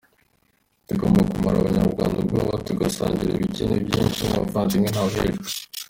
Tugomba kumara abanyarwanda ubwoba, tugasangira ibike n’ibyinshi nk’abavandimwe ntawuhejwe.